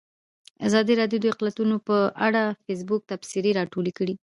ازادي راډیو د اقلیتونه په اړه د فیسبوک تبصرې راټولې کړي.